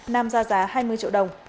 nam ra giá hai mươi triệu đồng